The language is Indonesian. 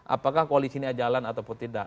apakah koalisi ini jalan ataupun tidak